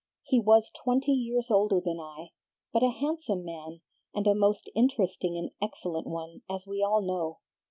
He was twenty years older than I, but a handsome man, and a most interesting and excellent one, as we all know.